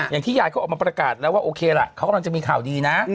อย่างที่ยายเขาออกมาประกาศแล้วว่าโอเคล่ะเขากำลังจะมีข่าวดีนะ